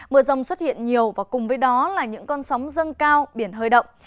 mưa rông xuất hiện nhiều và cùng với đó là những con sóng dâng cao biển hơi động